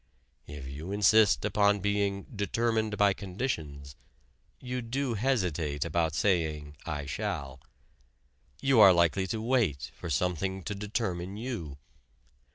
If you insist upon being "determined by conditions" you do hesitate about saying "I shall." You are likely to wait for something to determine you.